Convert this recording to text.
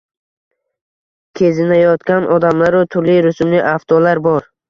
Kezinayotgan odamlaru turli rusumli avtolar bor.